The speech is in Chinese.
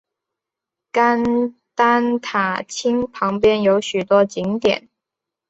甘丹塔钦旁边有许多景点。